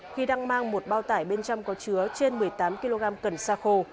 khi đang mang một bao tải bên trong có chứa trên một mươi tám kg cần xa khô